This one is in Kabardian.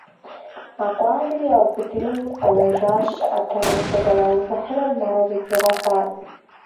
А къуажэри яубыдыным къэнэжа щыӀэтэкъым – къызэраувыхьрэ мазэ бжыгъэ хъуат.